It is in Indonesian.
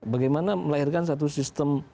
bagaimana melahirkan satu sistem